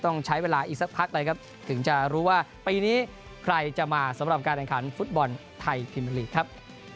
ต้องใช้เวลาอีกสักพักเลยครับถึงจะรู้ว่าปีนี้ใครจะมาสำหรับการแข่งขันฟุตบอลไทยพิมลีกครับ